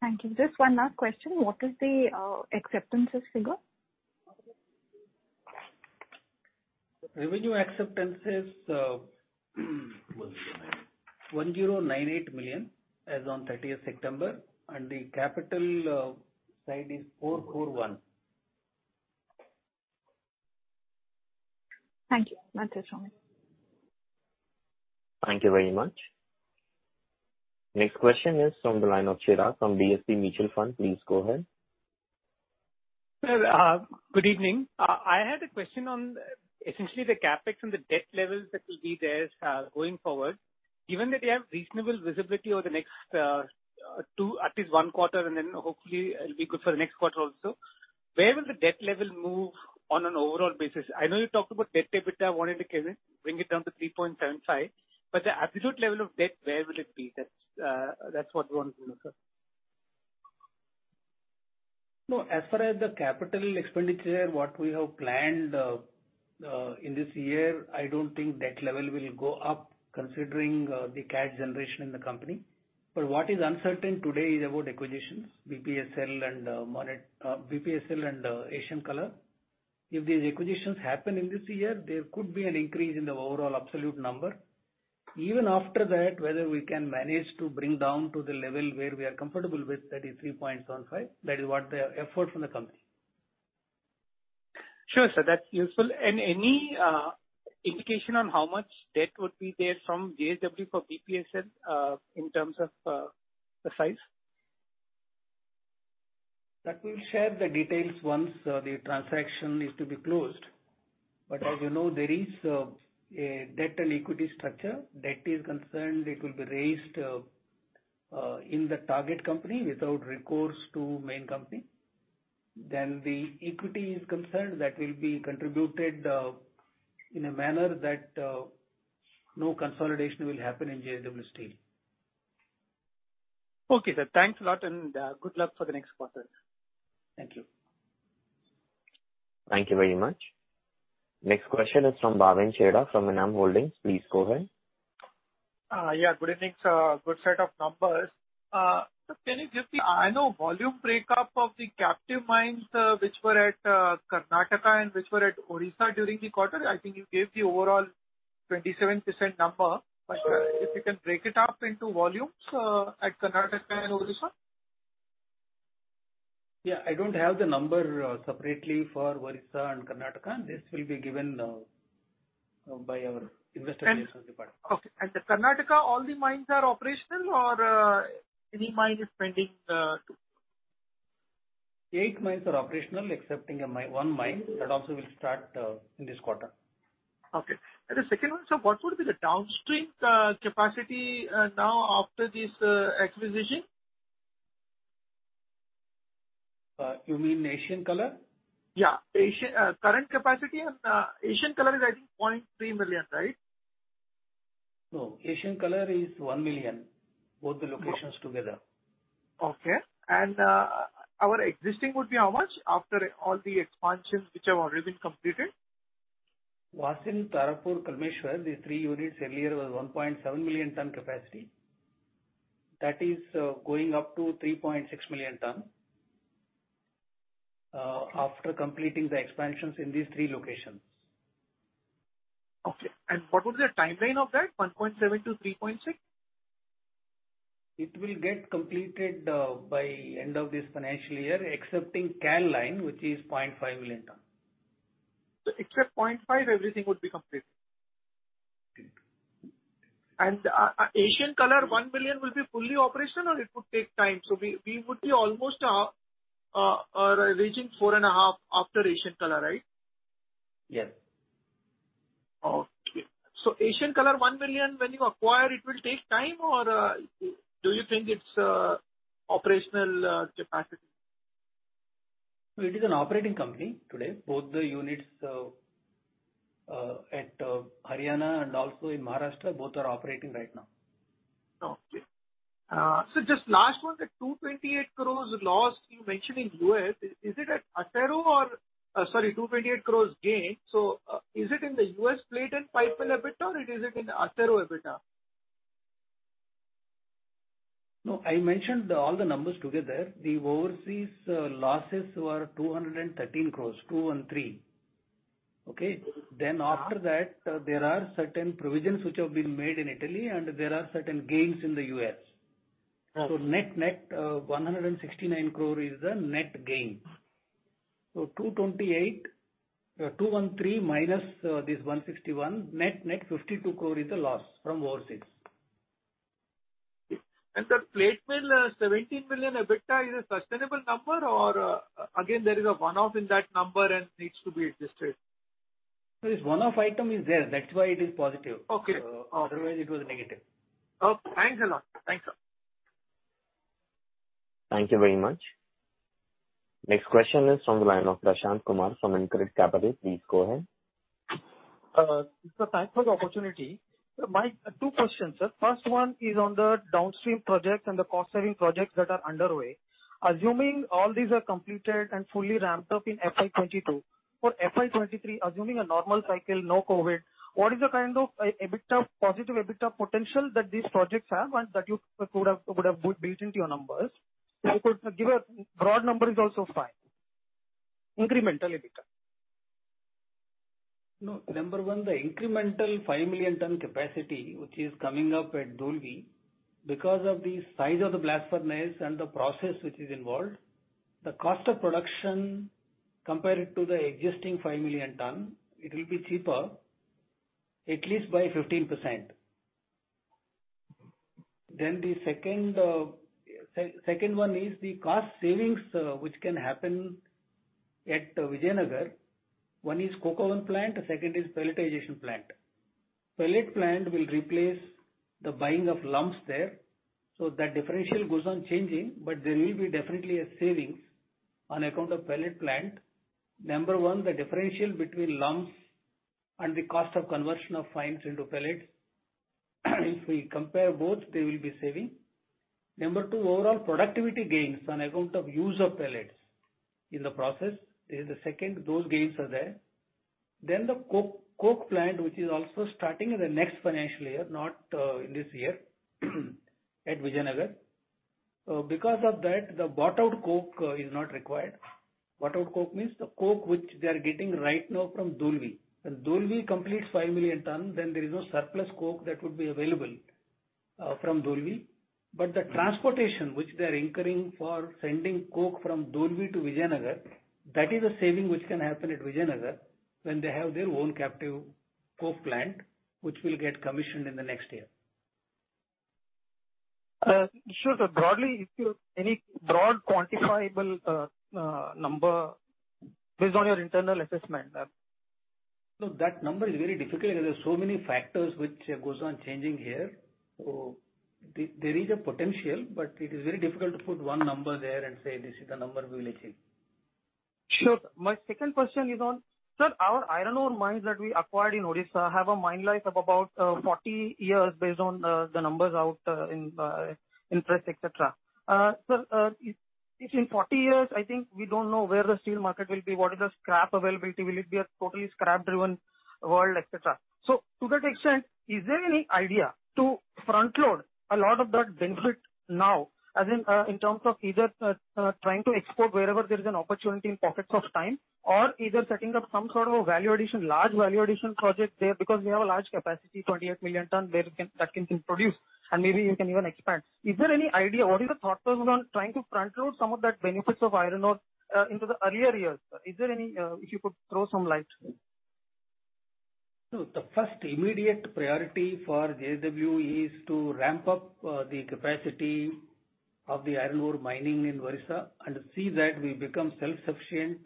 Thank you. Just one last question. What is the acceptances figure? Revenue acceptances was $1,098 million as on 30th September. And the capital side is $441 million. Thank you. That's it from me. Thank you very much. Next question is from the line of Chirag from DSP Mutual Fund. Please go ahead. Good evening. I had a question on essentially the CapEx and the debt levels that will be there going forward. Given that you have reasonable visibility over the next two, at least one quarter, and then hopefully it'll be good for the next quarter also, where will the debt level move on an overall basis? I know you talked about debt EBITDA wanting to bring it down to 3.75. But the absolute level of debt, where will it be? That's what we want to know, sir. No, as far as the capital expenditure, what we have planned in this year, I don't think debt level will go up considering the cash generation in the company. What is uncertain today is about acquisitions, BPSL and Asian Color. If these acquisitions happen in this year, there could be an increase in the overall absolute number. Even after that, whether we can manage to bring down to the level where we are comfortable with, that is 3.75. That is what the effort from the company. Sure, sir. That's useful. Any indication on how much debt would be there from JSW for BPSL in terms of the size? That we will share the details once the transaction is to be closed. As you know, there is a debt and equity structure. Debt is concerned it will be raised in the target company without recourse to main company. Then the equity is concerned that will be contributed in a manner that no consolidation will happen in JSW Steel. Okay, sir. Thanks a lot, and good luck for the next quarter. Thank you. Thank you very much. Next question is from Bhavin Chheda from Enam Holdings. Please go ahead. Yeah. Good evening. So good set of numbers. Can you give the, I know, volume breakup of the captive mines which were at Karnataka and which were at Odisha during the quarter? I think you gave the overall 27% number. But if you can break it up into volumes at Karnataka and Odisha. Yeah. I don't have the number separately for Odisha and Karnataka. This will be given by our investigation department. Okay. The Karnataka, all the mines are operational or any mine is pending? Eight mines are operational, excepting one mine that also will start in this quarter. Okay. The second one, sir, what would be the downstream capacity now after this acquisition? You mean Asian Color? Yeah. Current capacity and Asian Color is, I think, 0.3 million, right? No. Asian Color is 1 million, both the locations together. Okay. Our existing would be how much after all the expansions which have already been completed? Vasind, Tarapur, Kalmeshwar, these 3 units earlier was 1.7 million tonne capacity. That is going up to 3.6 million ton after completing the expansions in these three locations. Okay. What would be the timeline of that, 1.7 to 3.6? It will get completed by end of this financial year, excepting CAL line, which is 0.5 million Except 0.5, everything would be completed. Asian Color, 1 million, will be fully operational or it would take time? We would be almost reaching 4.5 after Asian Color, right? Yes. Okay. Asian Color, 1 million, when you acquire, it will take time or do you think it is operational capacity? It is an operating company today. Both the units at Haryana and also in Maharashtra, both are operating right now. Okay. Just last one, the 228 crores loss you mentioned in the U.S. Is it at Acero or, sorry, 228 crores gain? Is it in the U.S. plate and pipeline EBITDA or is it in Acero EBITDA? No, I mentioned all the numbers together. The overseas losses were 213 crores, 213. Okay. After that, there are certain provisions which have been made in Italy, and there are certain gains in the U.S. net-net, 169 crore is the net gain. 228 crore, 213 crore minus this 161 crore, net-net 52 crore is the loss from overseas. And the plate mill, 17 million EBITDA, is it a sustainable number or again, is there a one-off in that number and needs to be adjusted? There is a one-off item there. That is why it is positive. Otherwise, it was negative. Okay. Thanks a lot. Thanks, sir. Thank you very much. Next question is from the line of Prashanth Kumar from InCred Capital. Please go ahead. Thank you for the opportunity. Two questions, sir. First one is on the downstream projects and the cost-saving projects that are underway. Assuming all these are completed and fully ramped up in FY22. For FY23, assuming a normal cycle, no COVID, what is the kind of positive EBITDA potential that these projects have and that you would have built into your numbers? You could give a broad number is also fine. Incremental EBITDA. No. Number one, the incremental 5 million ton capacity which is coming up at Dolvi, because of the size of the blast furnace and the process which is involved, the cost of production compared to the existing 5 million ton, it will be cheaper at least by 15%. The second one is the cost savings which can happen at Vijayanagar. One is coke oven plant, second is pelletization plant. Pellet plant will replace the buying of lumps there. That differential goes on changing, but there will be definitely a savings on account of pellet plant. Number one, the differential between lumps and the cost of conversion of fines into pellets. If we compare both, there will be saving. Number two, overall productivity gains on account of use of pellets in the process. This is the second. Those gains are there. The coke plant which is also starting in the next financial year, not in this year at Vijayanagar. Because of that, the bought-out coke is not required. Bought-out coke means the coke which they are getting right now from Dolvi. When Dolvi completes 5 million ton, there is no surplus coke that would be available from Dolvi. The transportation which they are incurring for sending coke from Dolvi to Vijayanagar, that is the saving which can happen at Vijayanagar when they have their own captive coke plant which will get commissioned in the next year. Sure. Broadly, if you have any broad quantifiable number based on your internal assessment? No, that number is very difficult because there are so many factors which go on changing here. There is a potential, but it is very difficult to put one number there and say, "This is the number we will achieve." Sure. My second question is on, sir, our iron ore mines that we acquired in Odisha have a mine life of about 40 years based on the numbers out in press, etc. Sir, in 40 years, I think we do not know where the steel market will be. What is the scrap availability? Will it be a totally scrap-driven world, etc.? To that extent, is there any idea to front-load a lot of that benefit now, as in terms of either trying to export wherever there is an opportunity in pockets of time or either setting up some sort of a value addition, large value addition project there because we have a large capacity, 28 million ton, that can produce and maybe you can even expand? Is there any idea? What is the thought process on trying to front-load some of that benefits of iron ore into the earlier years? Is there any, if you could throw some light? The first immediate priority for JSW Steel is to ramp up the capacity of the iron ore mining in Odisha and see that we become self-sufficient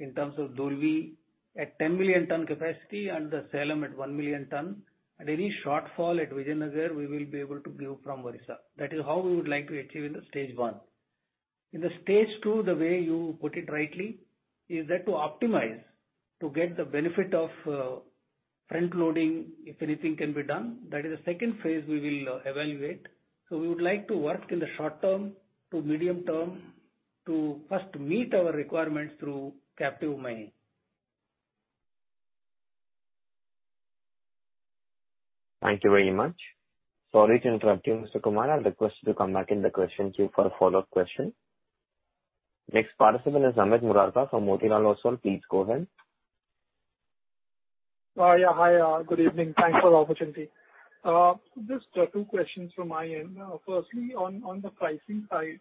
in terms of Dolvi at 10 million ton capacity and the Salem at 1 million tonnes. Any shortfall at Vijayanagar, we will be able to give from Odisha. That is how we would like to achieve in stage one. In stage two, the way you put it rightly is that to optimize to get the benefit of front-loading, if anything can be done. That is the second phase we will evaluate. We would like to work in the short term to medium term to first meet our requirements through captive mining. Thank you very much. Sorry to interrupt you, Mr. Kumar. I'll request you to come back in the question queue for a follow-up question. Next participant is Amit Murarka from Motilal Oswal. Please go ahead. Yeah. Hi. Good evening. Thanks for the opportunity. Just two questions from my end. Firstly, on the pricing side,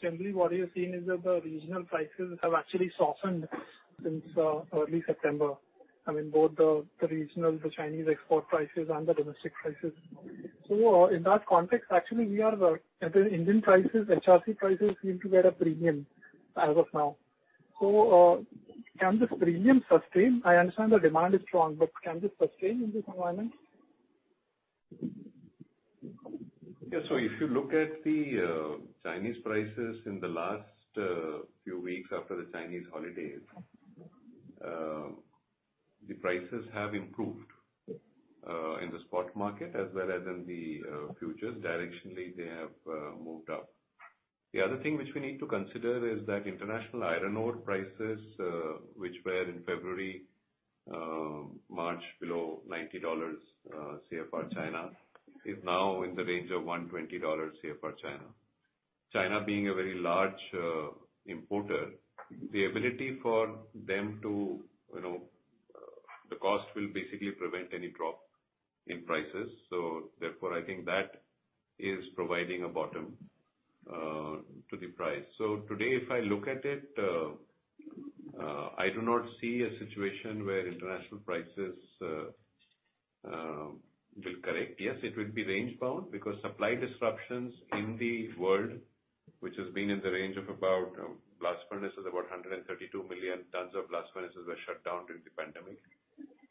generally what you're seeing is that the regional prices have actually softened since early September. I mean, both the regional, the Chinese export prices, and the domestic prices. In that context, actually, at the Indian prices, HRC prices seem to get a premium as of now. Can this premium sustain? I understand the demand is strong, but can this sustain in this environment? Yeah. If you look at the Chinese prices in the last few weeks after the Chinese holidays, the prices have improved in the spot market as well as in the futures. Directionally, they have moved up. The other thing which we need to consider is that international iron ore prices, which were in February, March below $90 CFR China, are now in the range of $120 CFR China. China being a very large importer, the ability for them to the cost will basically prevent any drop in prices. Therefore, I think that is providing a bottom to the price. Today, if I look at it, I do not see a situation where international prices will correct. Yes, it will be range-bound because supply disruptions in the world, which has been in the range of about blast furnaces, about 132 million tonnes of blast furnaces were shut down during the pandemic.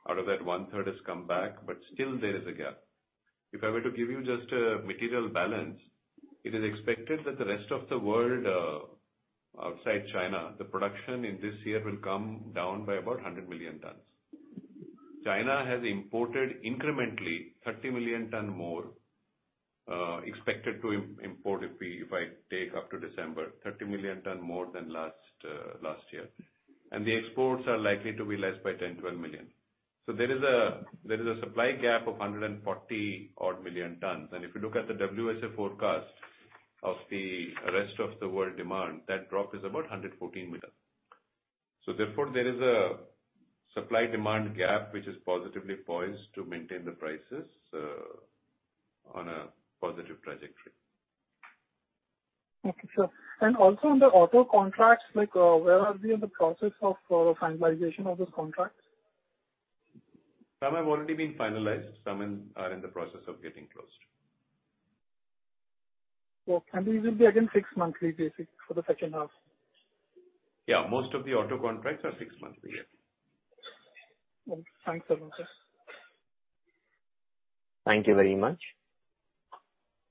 Out of that, one-third has come back, but still there is a gap. If I were to give you just a material balance, it is expected that the rest of the world outside China, the production in this year will come down by about 100 million tonnes. China has imported incrementally 30 million tonnes more, expected to import, if I take up to December, 30 million tonnes more than last year. The exports are likely to be less by 10-12 million. There is a supply gap of 140 odd million tonnes. If you look at the WSA forecast of the rest of the world demand, that drop is about 114 million. Therefore, there is a supply-demand gap which is positively poised to maintain the prices on a positive trajectory. Okay. Sure. Also, on the auto contracts, where are we in the process of finalization of those contracts? Some have already been finalized. Some are in the process of getting closed. These will be again fixed monthly, basically, for the second half? Yeah. Most of the auto contracts are fixed monthly. Yes. Thanks, sir. Thank you very much.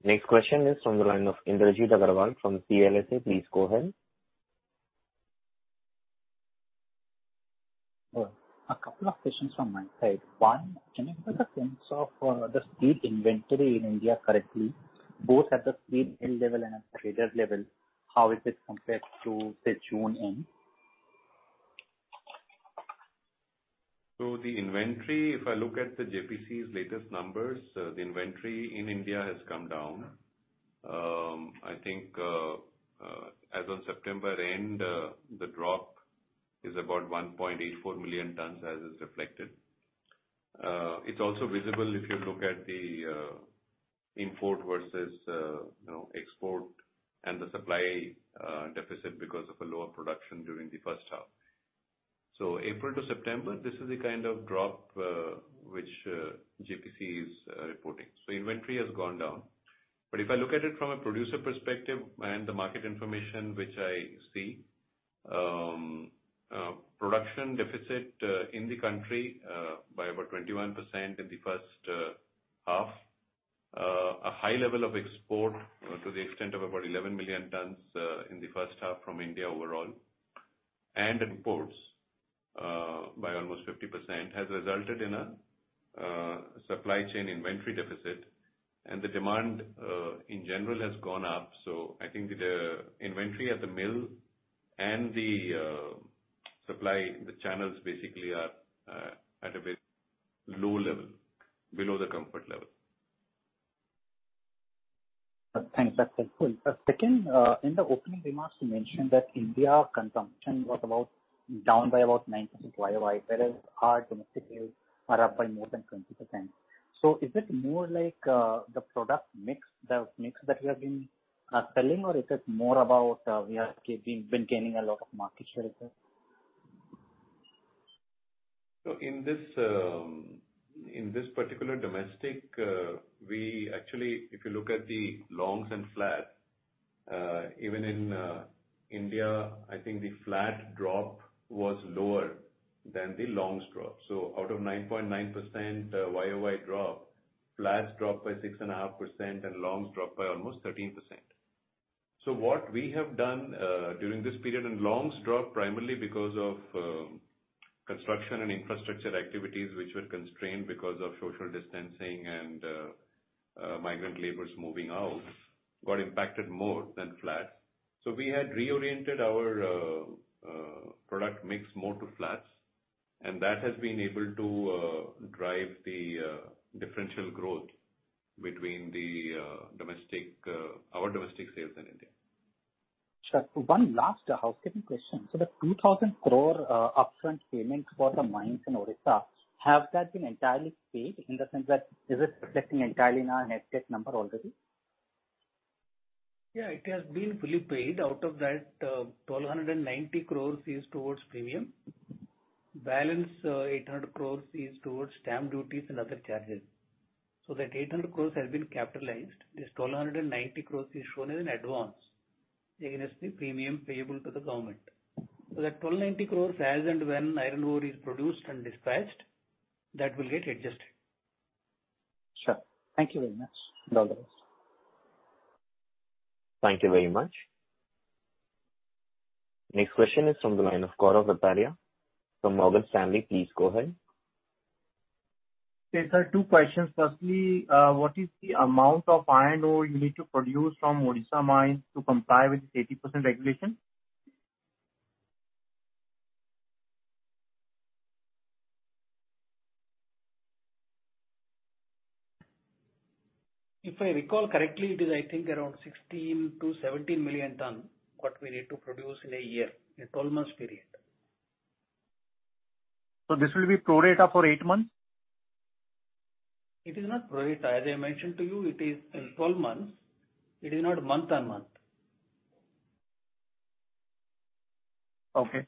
Next question is from the line of Indrajit Agarwal from CLSA. Please go ahead. A couple of questions from my side. One, can you give a sense of the steel inventory in India currently, both at the steel mill level and at the trader level? How is it compared to, say, June end? The inventory, if I look at the JPC's latest numbers, the inventory in India has come down. I think as of September end, the drop is about 1.84 million tonnes as is reflected. It's also visible if you look at the import versus export and the supply deficit because of a lower production during the first half. April to September, this is the kind of drop which JPC is reporting. Inventory has gone down. If I look at it from a producer perspective and the market information which I see, production deficit in the country by about 21% in the first half, a high level of export to the extent of about 11 million tonnes in the first half from India overall, and imports by almost 50% has resulted in a supply chain inventory deficit. The demand in general has gone up. I think the inventory at the mill and the supply, the channels basically are at a very low level, below the comfort level. Thanks. That's helpful. Second, in the opening remarks, you mentioned that India consumption was down by about 9% year over year, whereas our domestic yields are up by more than 20%.Is it more like the product mix, the mix that we have been selling, or is it more about we have been gaining a lot of market share? In this particular domestic, we actually, if you look at the longs and flats, even in India, I think the flat drop was lower than the longs drop. Out of 9.9% year-over-year drop, flats dropped by 6.5%, and longs dropped by almost 13%. What we have done during this period, and longs dropped primarily because of construction and infrastructure activities which were constrained because of social distancing and migrant laborers moving out, got impacted more than flats. We had reoriented our product mix more to flats, and that has been able to drive the differential growth between our domestic sales in India. Sure. One last housekeeping question. The 2,000 crore upfront payment for the mines in Odisha, has that been entirely paid in the sense that is it reflecting entirely in our net debt number already? Yeah. It has been fully paid. Out of that, 1,290 crores is towards premium. Balance 800 crores is towards stamp duties and other charges. So that 800 crores has been capitalized. This 1,290 crores is shown as an advance against the premium payable to the government. So that 1,290 crores, as and when iron ore is produced and dispatched, that will get adjusted. Sure. Thank you very much. All the best. Thank you very much. Next question is from the line of Gaurav Rateria from Morgan Stanley, please go ahead. Yes, sir. Two questions. Firstly, what is the amount of iron ore you need to produce from Odisha mines to comply with this 80% regulation? If I recall correctly, it is, I think, around 16 to 17 million ton what we need to produce in a year, in a 12-month period. This will be prorata for eight months? It is not prorata. As I mentioned to you, it is in 12 months. It is not month on month. Okay.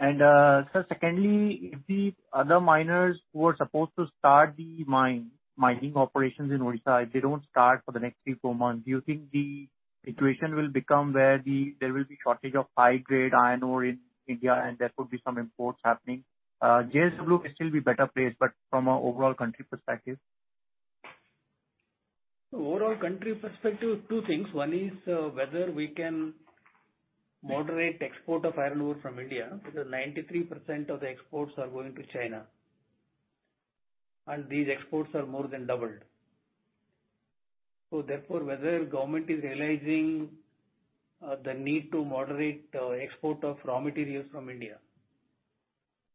Sir, secondly, if the other miners who are supposed to start the mining operations in Odisha, if they do not start for the next three, four months, do you think the situation will become where there will be shortage of high-grade iron ore in India and there could be some imports happening? JSW will still be better placed, but from an overall country perspective? Overall country perspective, two things. One is whether we can moderate export of iron ore from India because 93% of the exports are going to China, and these exports are more than doubled. Therefore, whether government is realizing the need to moderate export of raw materials from India,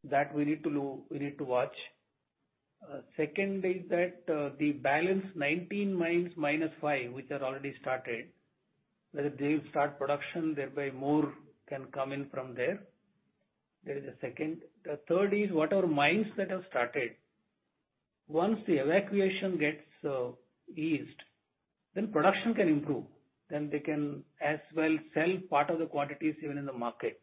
that we need to watch. Second is that the balance 19 mines minus 5, which are already started, whether they will start production, thereby more can come in from there. That is the second. The third is what are mines that have started. Once the evacuation gets eased, then production can improve. They can as well sell part of the quantities even in the market.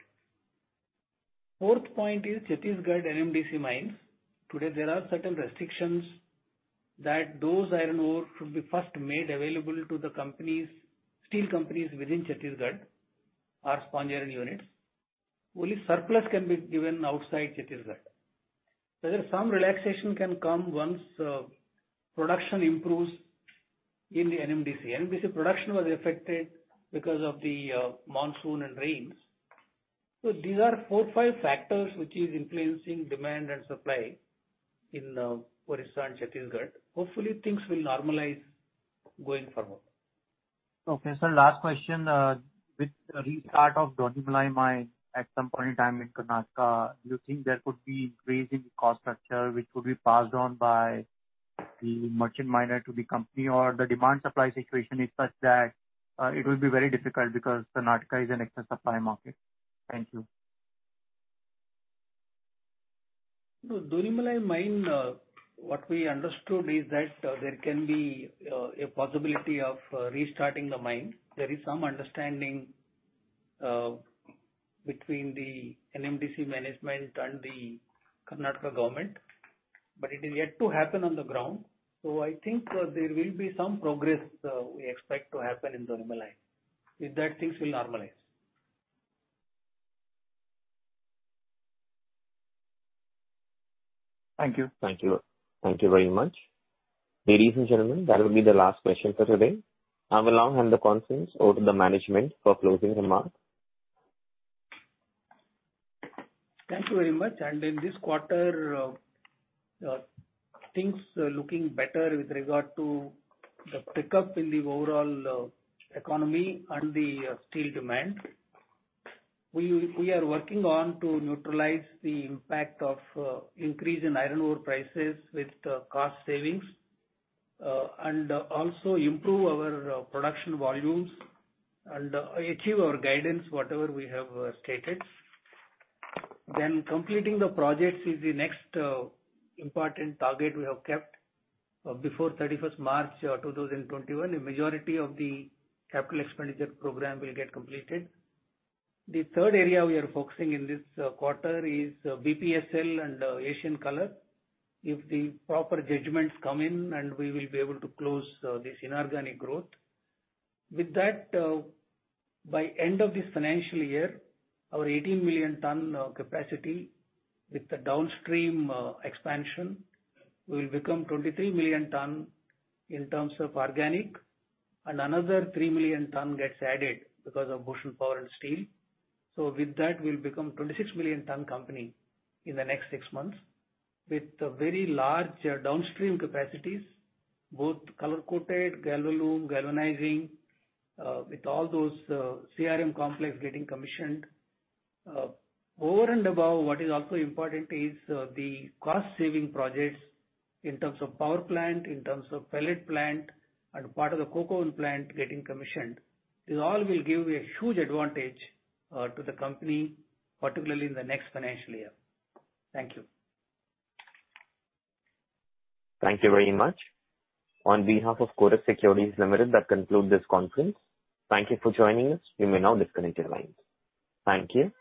Fourth point is Chhattisgarh NMDC mines. Today, there are certain restrictions that those iron ore should be first made available to the companies, steel companies within Chhattisgarh, or sponge iron units. Only surplus can be given outside Chhattisgarh. Whether some relaxation can come once production improves in the NMDC. NMDC production was affected because of the monsoon and rains. These are four, five factors which are influencing demand and supply in Odisha and Chhattisgarh. Hopefully, things will normalize going forward. Okay. Sir, last question. With the restart of Donimalai mines at some point in time in Karnataka, do you think there could be increase in the cost structure which could be passed on by the merchant miner to the company or the demand supply situation is such that it will be very difficult because Karnataka is an excess supply market? Thank you. Donimalai mine, what we understood is that there can be a possibility of restarting the mine. There is some understanding between the NMDC management and the Karnataka government, but it is yet to happen on the ground. I think there will be some progress we expect to happen in Donimalai if things will normalize. Thank you. Thank you. Thank you very much. Ladies and gentlemen, that will be the last question for today. I will now hand the conference over to the management for closing remarks. Thank you very much. In this quarter, things are looking better with regard to the pickup in the overall economy and the steel demand. We are working on to neutralize the impact of increase in iron ore prices with cost savings and also improve our production volumes and achieve our guidance, whatever we have stated. Completing the projects is the next important target we have kept. Before 31 March 2021, a majority of the capital expenditure program will get completed. The third area we are focusing in this quarter is BPSL and Asian Color Coated. If the proper judgments come in, we will be able to close this inorganic growth. With that, by end of this financial year, our 18 million ton capacity with the downstream expansion will become 23 million ton in terms of organic, and another 3 million ton gets added because of BPSL. With that, we will become a 26 million ton company in the next six months with very large downstream capacities, both color-coated, Galvalume, galvanizing, with all those CRM complex getting commissioned. Over and above, what is also important is the cost-saving projects in terms of power plant, in terms of pellet plant, and part of the coke oven plant getting commissioned. This all will give a huge advantage to the company, particularly in the next financial year. Thank you. Thank you very much. On behalf of Kotak Securities Limited, that concludes this conference. Thank you for joining us. You may now disconnect your lines. Thank you.